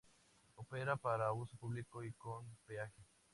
Opera para uso público y con peaje.